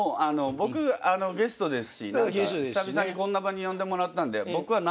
僕ゲストですし久々にこんな場に呼んでもらったんで。